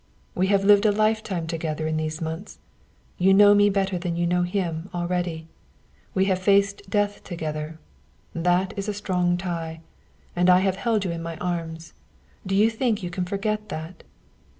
We have lived a lifetime together in these months. You know me better than you know him, already. We have faced death together. That is a strong tie. And I have held you in my arms. Do you think you can forget that?"